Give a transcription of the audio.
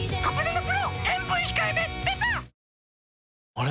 あれ？